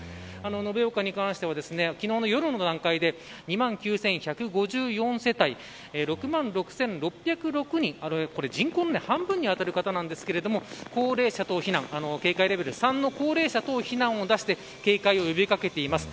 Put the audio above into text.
延岡に関しては昨日の夜の段階で２万９１５４世帯６万６６０６人人口の半分に当たる方なんですが高齢者等避難警戒レベル３の高齢者等避難を出して警戒を呼び掛けています。